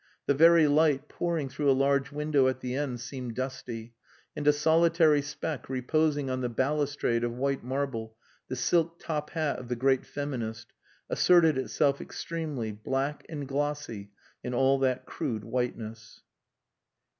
The very light, pouring through a large window at the end, seemed dusty; and a solitary speck reposing on the balustrade of white marble the silk top hat of the great feminist asserted itself extremely, black and glossy in all that crude whiteness.